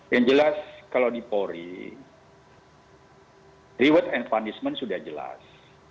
yang jelas kalau di polri reward and punishment sudah jelas